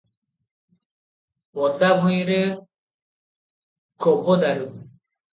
'ପଦା ଭୂଇଁରେ ଗବଦାରୁ' ।